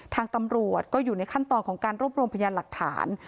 ทางตำรวจก็อยู่ในขั้นตอนของการรวบรวมพยานหลักฐาน